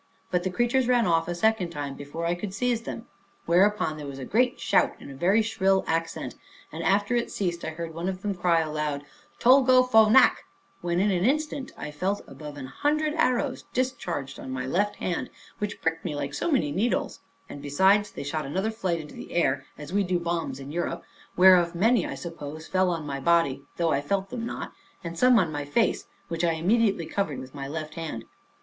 But the creatures ran off a second time, before I could seize them; whereupon there was a great shout in a very shrill accent, and after it ceased, I heard one of them cry aloud, Tolgo phonac; when in an instant I felt above an hundred arrows discharged on my left hand, which pricked me like so many needles; and besides, they shot another flight into the air, as we do bombs in Europe, whereof many I suppose fell on my body (though I felt them not), and some on my face, which I immediately covered with my left hand.